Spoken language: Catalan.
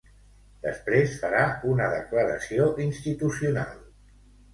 Després, farà una declaració institucional.